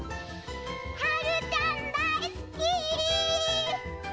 はるちゃんだいすき！